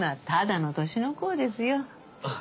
ただの年の功ですよ。